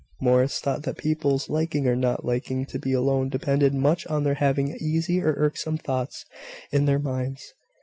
Morris thought that people's liking or not liking to be alone depended much on their having easy or irksome thoughts in their minds.